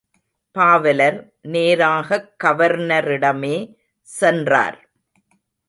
பாவலர் நேராகக் கவர்னரிடமே சென்றார்.